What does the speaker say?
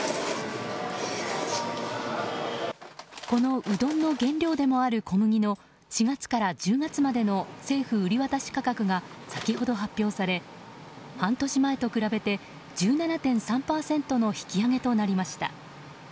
このうどんの原料でもある小麦の４月から１０月までの政府売り渡し価格が先ほど発表され半年前と比べて１７．３％の引き上げとなりました。